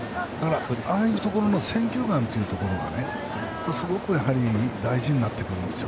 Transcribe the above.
ああいうところの選球眼がすごく大事になってくるんです。